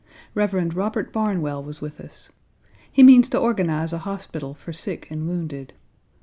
Rev. Robert Barnwell was with us. He means to organize a hospital for sick and wounded.